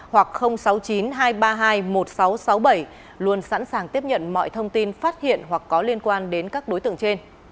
hoặc sáu mươi chín hai trăm ba mươi hai một nghìn sáu trăm sáu mươi bảy luôn sẵn sàng tiếp nhận mọi thông tin phát hiện hoặc có liên quan đến các đối tượng trên